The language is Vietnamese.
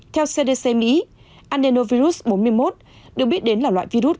theo cdc mỹ adenovirus bốn mươi một được biết đến là loại virus gây bệnh